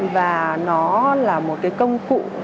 và nó là một công cụ